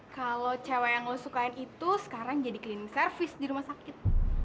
kalo cewe yang lo sukain itu sekarang jadi cleaning service di rumah sakit